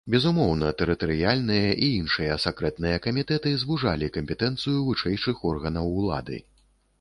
Безумоўна, тэрытарыяльныя і іншыя сакрэтныя камітэты звужалі кампетэнцыю вышэйшых органаў улады.